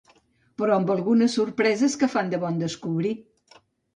però amb algunes sorpreses que fan de bon descobrir